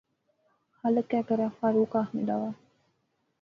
خالق کہہ کرے، فاروق آخنے لاغا